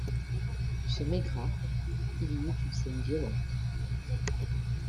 Chez Maigrat, il y eut une scène violente.